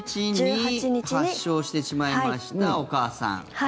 １８日に発症してしまいましたお母さん。